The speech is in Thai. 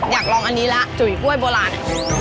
อยากลองอันนี้ละจุ๋ยก้วยโบลาน